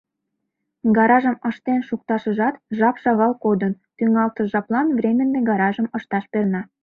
Гаражым ыштен шукташыжат жап шагал кодын, тӱҥалтыш жаплан временный гаражым ышташ перна.